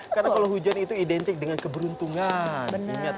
karena kalau hujan itu identik dengan keberuntungan